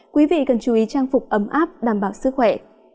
quý vị cần chú ý trang phục ấm áp đảm bảo sức khỏe